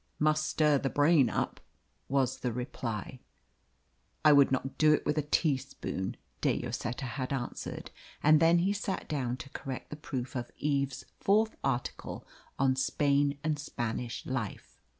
"Must stir the brain up," was the reply. "I would not do it with a teaspoon," De Lloseta had answered, and then he sat down to correct the proof of Eve's fourth article on "Spain and Spanish Life."